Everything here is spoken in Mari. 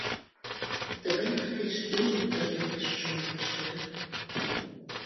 «Тыгай мардеж ийым пудыртылеш — шоналтыш тудо.